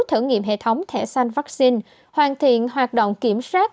thử nghiệm hệ thống thẻ xanh vaccine hoàn thiện hoạt động kiểm soát